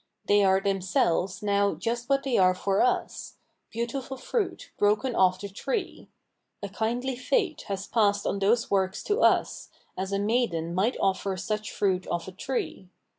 They are themselves now just what they are for us — ^beautiful fruit broken ofi the tree ; a kindly fate has passed on those works to us, as a maiden might offer such fruit off a tree.